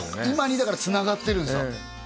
今にだからつながってるんですか